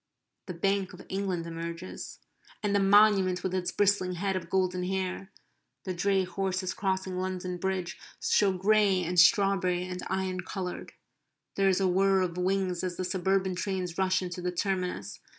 The Bank of England emerges; and the Monument with its bristling head of golden hair; the dray horses crossing London Bridge show grey and strawberry and iron coloured. There is a whir of wings as the suburban trains rush into the terminus.